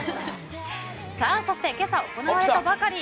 そして今朝行われたばかり！